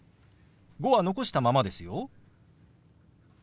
「５」は残したままですよ。